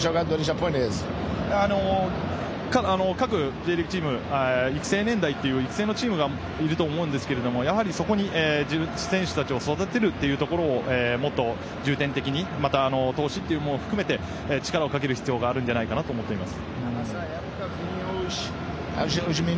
各Ｊリーグチーム育成年代という育成のチームがいると思うんですけど自分はそこの選手を育てるというところにもっと重点的に、投資も含めて力をかける必要があると思っています。